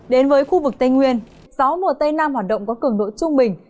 đến với khu vực tây nguyên gió mùa tây nam hoạt động có cường độ trung bình